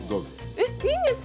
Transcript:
えっいいんですか！